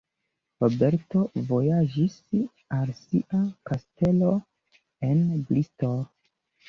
Roberto vojaĝis al sia kastelo en Bristol.